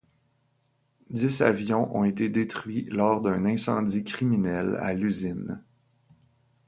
Dix avions ont été détruits lors d'un incendie criminel à l'usine.